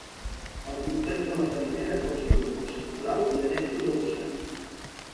El complex de la farinera consta d'un cos central i annexos adossats.